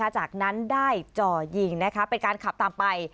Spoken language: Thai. จากนั้นได้จ่อยิงเป็นการขับตามไป